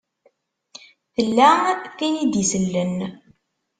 Tella tin i d-isellen.